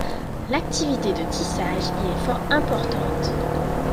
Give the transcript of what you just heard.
L'activité de tissage y est fort importante.